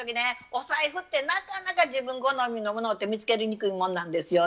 お財布ってなかなか自分好みのものって見つけにくいもんなんですよね。